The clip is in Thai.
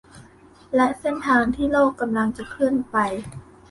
และเส้นทางที่โลกกำลังจะเคลื่อนไป